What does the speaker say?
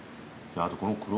あとこの。